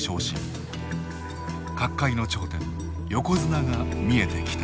角界の頂点横綱が見えてきた。